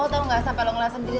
tau gak sampe lo ngeliat sendiri